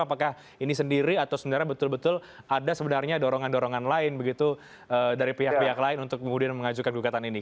apakah ini sendiri atau sebenarnya betul betul ada sebenarnya dorongan dorongan lain begitu dari pihak pihak lain untuk kemudian mengajukan gugatan ini